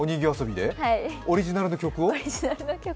オリジナルの曲を？